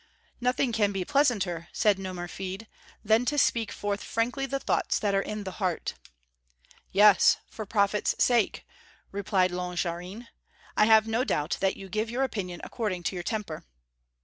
"Nothing can be pleasanter," said Nomerfide, "than to speak forth frankly the thoughts that are in the heart." "Yes, for profit's sake," (6) replied Longarine. "I have no doubt that you give your opinion according to your temper."